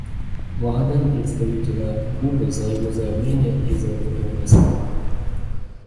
Благодарю представителя Кубы за его заявление и за его добрые слова.